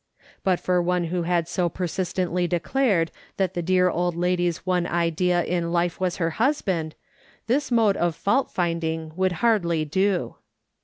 But for one who had so persistently declared that the dear old lady's one idea in life was her husband, this mode of fault finding would hardly do.